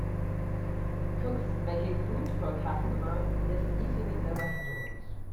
Cooks making food for a customer that is eating in their restaurant.